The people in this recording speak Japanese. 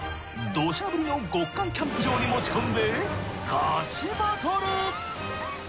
土砂降りの極寒キャンプ場に持ち込んでガチバトル！